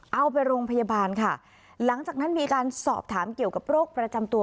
เอาไปโรงพยาบาลค่ะหลังจากนั้นมีการสอบถามเกี่ยวกับโรคประจำตัว